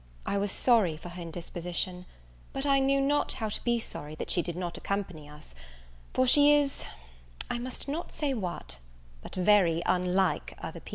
I was sorry for her indisposition; but I knew not how to be sorry she did not accompany us, for she is I must not say what, but very unlike other people.